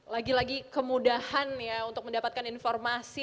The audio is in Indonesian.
lagi lagi kemudahan ya untuk mendapatkan informasi